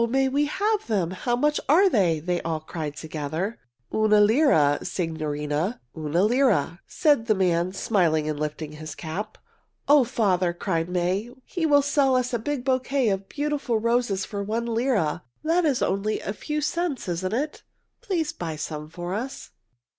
May we have them? How much are they?" they cried all together. "Una lira, signorine, una lira," said the man, smiling and lifting his cap. "O father!" cried May. "He will sell us a big bouquet of beautiful roses for one lira. That is only a few cents, isn't it? Please buy some for us."